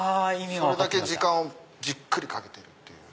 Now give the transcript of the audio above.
それだけ時間をじっくりかけてる。